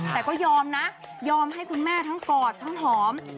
แต่ก็ยอมนะยอมให้คุณแม่ทั้งกอดทั้งหอม